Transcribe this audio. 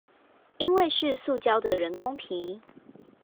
因為是塑膠的人工皮